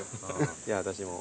じゃあ私も。